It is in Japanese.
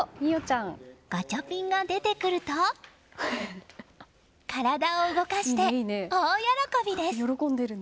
ガチャピンが出てくると体を動かして大喜びです。